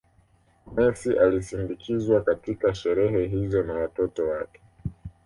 Messi alisindikizwa katika sherehe hizo na watoto wake